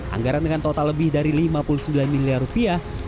anggaran dengan total lebih dari lima puluh sembilan miliar rupiah